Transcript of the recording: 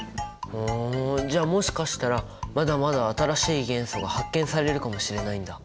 ふんじゃあもしかしたらまだまだ新しい元素が発見されるかもしれないんだ。